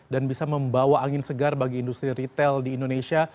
dan bisa membawa angin segar bagi industri retail di indonesia